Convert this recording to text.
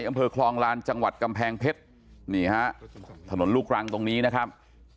อำเภอคลองลานจังหวัดกำแพงเพชรนี่ฮะถนนลูกรังตรงนี้นะครับ